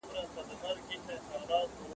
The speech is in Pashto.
څه شی د سندرو په کلمو کي ذهن ته هیلي ورکوي؟